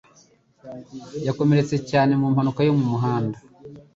yakomeretse cyane mu mpanuka yo mu muhanda.